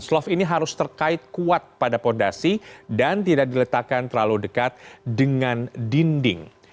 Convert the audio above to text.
slof ini harus terkait kuat pada fondasi dan tidak diletakkan terlalu dekat dengan dinding